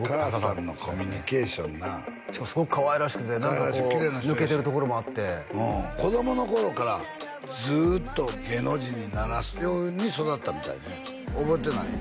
お母さんのコミュニケーションなしかもすごくかわいらしくて何か抜けてるところもあって子供の頃からずっと芸能人にならすように育てたみたいね覚えてない？